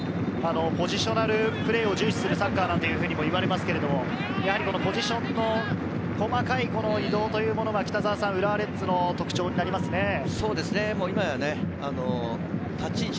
ポジショナルプレーを重視するサッカーとも言われますけど、ポジションの細かい移動というものは、浦和レッズの特徴になりますね。